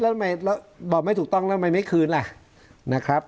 แล้วทำไมบอกไม่ถูกต้องแล้วทำไมไม่คืนล่ะนะครับ